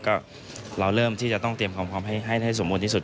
ก็เราเริ่มที่จะต้องเตรียมความพร้อมให้สมบูรณที่สุด